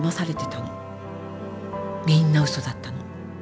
みんな嘘だったの。